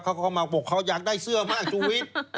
เขาก็เข้ามาบอกเขาอยากได้เสื้อมาจุวิท